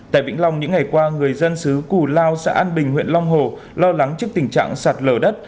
tại vĩnh long những ngày qua người dân xứ cù lao xã an bình huyện long hồ lo lắng trước tình trạng sạt lở đất